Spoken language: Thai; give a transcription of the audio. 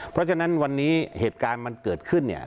เพราะฉะนั้นวันนี้เหตุการณ์มันเกิดขึ้นเนี่ย